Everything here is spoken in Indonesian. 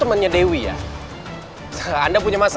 kayaknya dia udah tau kalau gue ikut